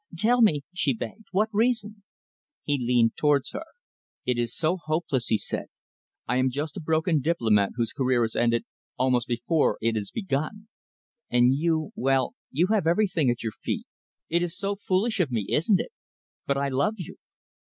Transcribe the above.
"Tell me," she begged, "what reason?" He leaned towards her. "It is so hopeless," he said. "I am just a broken diplomat whose career is ended almost before it is begun, and you well, you have everything at your feet. It is foolish of me, isn't it, but I love you."